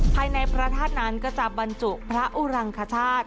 ภายในพระธาตุนั้นก็จะบรรจุพระอุรังคชาติ